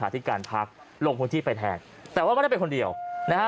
ที่การพักลงพื้นที่ไปแทนแต่ว่าไม่ได้ไปคนเดียวนะฮะ